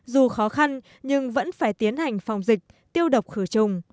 dù khó khăn nhưng vẫn phải tiến hành phòng dịch tiêu độc khử trùng